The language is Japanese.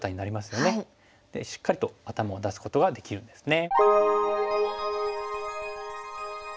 でしっかりと頭を出すことができるんですね。